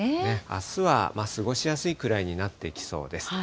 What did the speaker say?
あすは過ごしやすいくらいになっていきそうです。